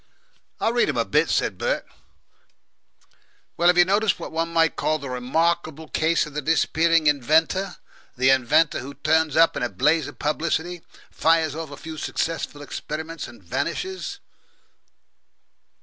"I read 'em a bit," said Bert. "Well, have you noticed what one might call the remarkable case of the disappearing inventor the inventor who turns up in a blaze of publicity, fires off a few successful experiments, and vanishes?"